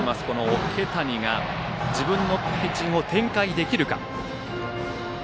桶谷が、自分のピッチングを展開できるか。